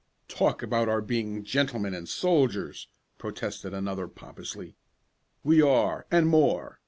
"Talk about our being gentlemen and soldiers!" protested another, pompously. "We are, and more.